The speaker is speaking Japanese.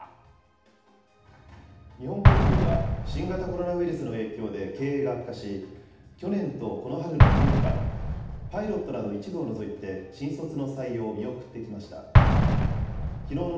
日本航空は３年ぶりにすべての職種で採用を行い、およそ３０日本航空は、新型コロナウイルスの影響で経営が悪化し、去年とこの春の２年間、パイロットなど一部を除いて新卒の採用を見送ってきました。